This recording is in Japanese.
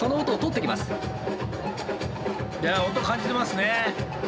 いや音感じてますね。